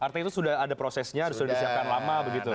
artinya itu sudah ada prosesnya sudah disiapkan lama begitu ya